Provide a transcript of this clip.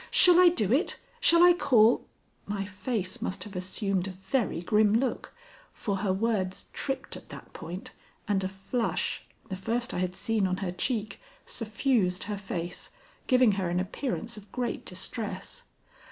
Shall I do it? Shall I call " My face must have assumed a very grim look, for her words tripped at that point, and a flush, the first I had seen on her cheek, suffused her face, giving her an appearance of great distress.